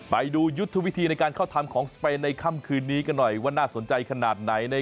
ไปดูยุทธวิธีในการเข้าทำของสเปนในค่ำคืนนี้กันหน่อยว่าน่าสนใจขนาดไหน